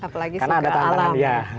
apalagi sebagai alam